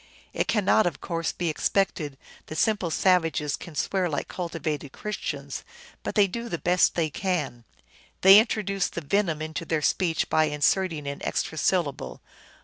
It cannot, of course, be expected that simple savages can swear like cultivated Christians, but they do the best they can. They introduce the venom into their speech by inserting an extra syllable.